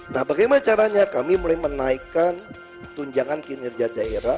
nah bagaimana caranya kami mulai menaikkan tunjangan kinerja daerah